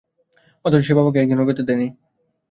অথচ সে বাবাকে এক দিনও ব্যথা দেয় নি।